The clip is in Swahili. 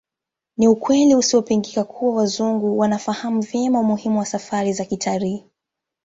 Ni ukweli usiopingika kuwa Wazungu wanafahamu vyema umuhimu wa safari za kitalii